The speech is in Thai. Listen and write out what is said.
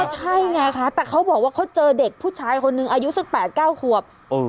ก็ใช่ไงค่ะแต่เขาบอกว่าเขาเจอเด็กผู้ชายคนนึงอายุสักแปดเก้าหัวเออ